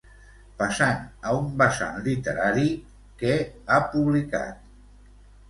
Passant a un vessant literari, què ha publicat?